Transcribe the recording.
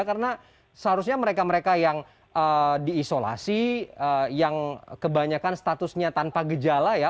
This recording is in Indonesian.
karena seharusnya mereka mereka yang diisolasi yang kebanyakan statusnya tanpa gejala ya